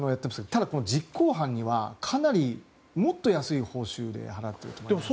ただ実行犯にはかなり、もっと安い報酬で払っていると思いますね。